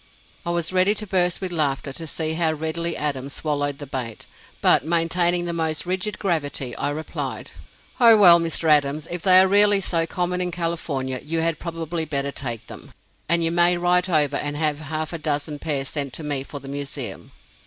I was ready to burst with laughter to see how readily Adams swallowed the bait, but maintaining the most rigid gravity, I replied: "Oh well, Mr. Adams, if they are really so common in California, you had probably better take them, and you may write over and have half a dozen pairs sent to me for the Museum."